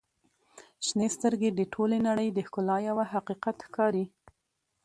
• شنې سترګې د ټولې نړۍ د ښکلا یوه حقیقت ښکاري.